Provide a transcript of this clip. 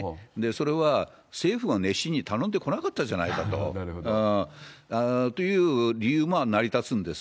それは政府が熱心に頼んでこなかったじゃないかという理由も成り立つんです。